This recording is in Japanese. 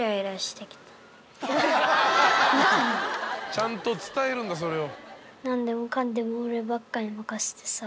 ちゃんと伝えるんだそれを。